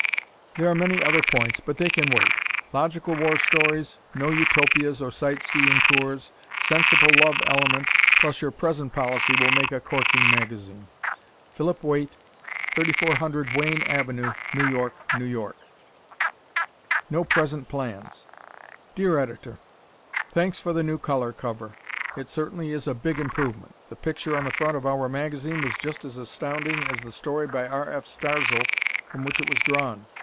There are many other points but they can wait. Logical war stories, no Utopias or sight seeing tours, sensible love element, plus your present policy will make a corking magazine. Philip Waite, 3400 Wayne Ave., New York, N.Y. No Present Plans Dear Editor: Thanks for the new color cover. It certainly is a big improvement. The picture on the front of "our" magazine was just as astounding as the story by R. F. Starzl from which it was drawn.